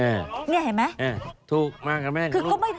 เนี่ยเห็นไหมถูกมากับแม่กับลูก